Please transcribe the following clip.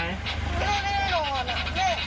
แม่ไม่ได้นอน